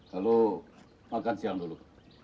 lalu makan siang dulu